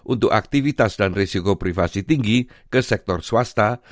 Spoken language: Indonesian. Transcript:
untuk aktivitas dan risiko privasi tinggi ke sektor swasta